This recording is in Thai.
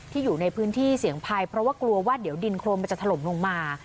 อยู่ในพื้นที่เสี่ยงภัยเพราะว่ากลัวว่าเดี๋ยวดินโครนมันจะถล่มลงมา